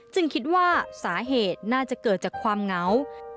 คิดว่าสาเหตุน่าจะเกิดจากความเหงา